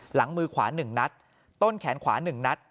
หลังมือขวา๑นัดต้นแขนขวา๑นัด